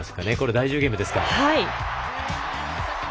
第１０ゲームですか。